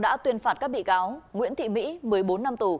đã tuyên phạt các bị cáo nguyễn thị mỹ một mươi bốn năm tù